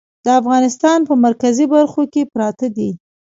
د افغانستان په مرکزي برخو کې پراته دي.